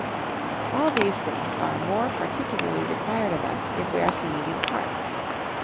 All these things are more particularly required of us if we are singing in parts.